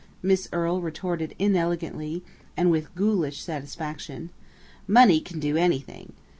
Miss Earle retorted inelegantly, and with ghoulish satisfaction. "Money can do anything!